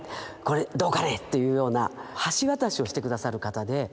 これどうかね？」っていうような橋渡しをして下さる方で。